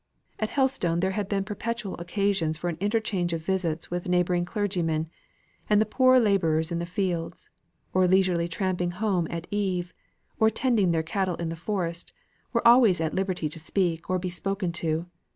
At Helstone there had been perpetual occasion for an interchange of visits with neighbouring clergymen; and the poor labourers in the fields, or leisurely tramping home at eve, or tending their cattle in the forest, were always at liberty to speak or be spoken to.